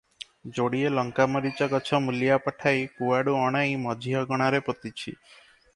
ଯୋଡିଏ ଲଙ୍କାମରିଚ ଗଛ ମୂଲିଆ ପଠାଇ କୁଆଡ଼ୁ ଅଣାଇ ମଝି ଅଗଣାରେ ପୋତିଛି ।